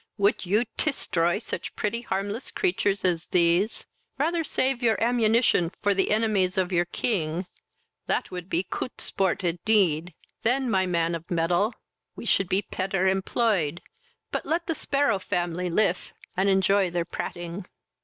would you testroy such pretty harmless creatures as these? Rather save your ammunition for the enemies of your king that would be coot sport indeed! then, my man of mettle, we should be petter employed; but let the sparrow family lif, and enjoy their prating."